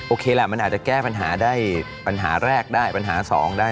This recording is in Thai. แหละมันอาจจะแก้ปัญหาได้ปัญหาแรกได้ปัญหาสองได้